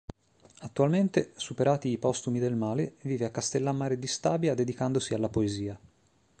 Attualmente, superati i postumi del male, vive a Castellammare di Stabia dedicandosi alla poesia.